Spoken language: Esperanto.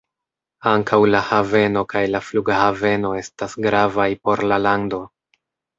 Ankaŭ la haveno kaj la flughaveno estas gravaj por la lando.